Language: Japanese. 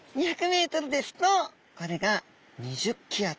２００ｍですとこれが２０気圧。